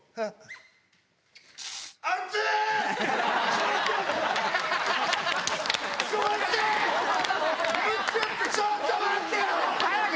ちょっと待って‼早く！